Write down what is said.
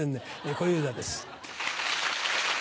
小遊三です。